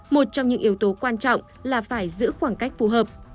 một trong những yếu tố quan trọng là phải giữ khoảng cách phù hợp